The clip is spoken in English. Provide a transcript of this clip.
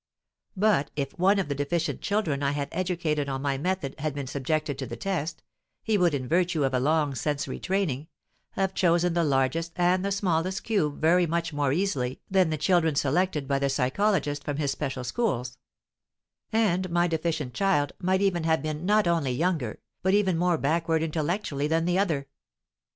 But if one of the deficient children I had educated on my method had been subjected to the test, he would, in virtue of a long sensory training, have chosen the largest and the smallest cube very much more easily than the children selected by the psychologist from his special schools; and my deficient child might even have been not only younger, but even more backward intellectually than the other.